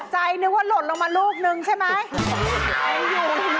ใจนึกว่าหล่นลงมาลูกนึงใช่ไหม